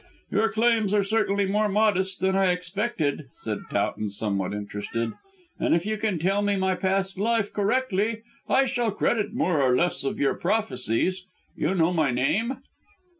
"Your claims are certainly more modest than I expected," said Towton somewhat interested, "and if you can tell me my past life correctly I shall credit more or less your prophecies. You know my name?"